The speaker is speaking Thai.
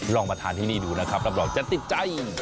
ลองมาทานที่นี่ดูนะครับรับรองจะติดใจ